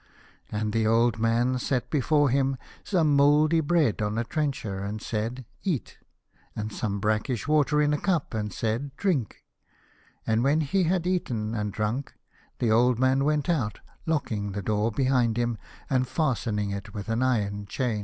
And the old man set before him some mouldy bread on a trencher and said, "Eat," and some brackish water in a cup and said, " Drink," and when he had eaten and drunk, the old man went out, locking the door behind him and fastening it with an iron chain.